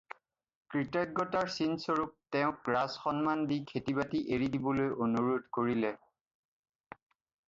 কৃতজ্ঞতাৰ চিন স্বৰূপ তেওঁক ৰাজ সম্মান দি খেতি বাতি এৰি দিবলৈ অনুৰোধ কৰিলে।